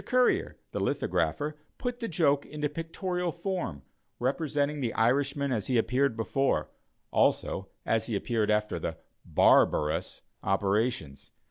Currier, the lithographer, put the joke into pictorial form, representing the Irishman as he appeared before, also as he appeared after the "barbar ous" operations.